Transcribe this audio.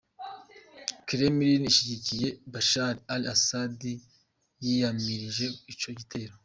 Kremlin, ishigikiye Bashar al-Assad, yiyamirije ico gitero.